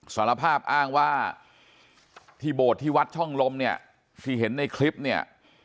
สารภาพอ้างว่าที่โบสถ์ที่วัดช่องลมเนี่ยที่เห็นในคลิปเนี่ย